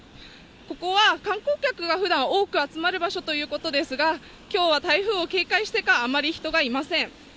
ここは観光客が普段多く集まる場所ということですが今日は台風を警戒してかあまり人がいません